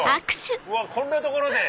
うわこんな所で！